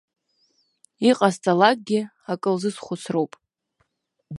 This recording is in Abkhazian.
Иҟасҵалакгьы акы лзысхәыцроуп.